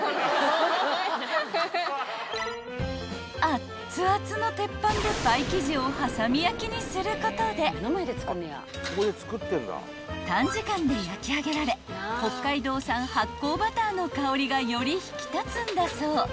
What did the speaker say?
［あっつあつの鉄板でパイ生地を挟み焼きにすることで短時間で焼き上げられ北海道産発酵バターの香りがより引き立つんだそう］